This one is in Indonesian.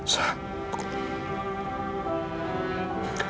sampai seperti ini